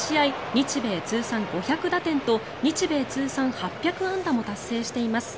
日米通算５００打点と日米通算８００安打も達成しています。